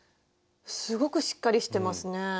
すごくしっかりしてますね。ですよね。